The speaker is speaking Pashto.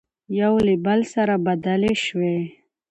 يو له بل سره بدلې شوې،